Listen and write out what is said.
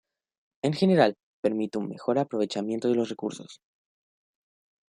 En general permite un mejor aprovechamiento de los recursos.